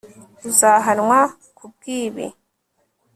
uzahanwa kubwibi